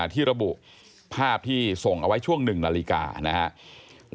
ที่ระบุภาพที่ส่งเอาไว้ช่วง๑นาฬิกานะครับ